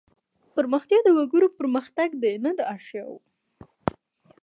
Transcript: پرمختیا د وګړو پرمختګ دی نه د اشیاوو.